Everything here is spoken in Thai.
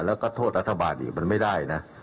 แล้วก็โทษรัฐบาลอีกมันไม่ได้นะ